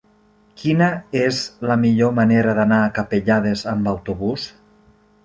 Quina és la millor manera d'anar a Capellades amb autobús?